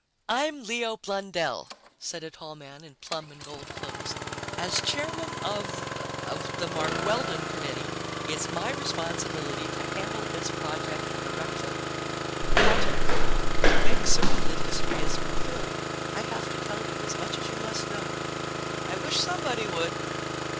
"I'm Leo Blundell," said a tall man in plum and gold clothes. "As chairman of of the Mark Weldon Committee, it's my responsibility to handle this project correctly." "Project?" "To make certain that history is fulfilled, I have to tell you as much as you must know." "I wish somebody would!"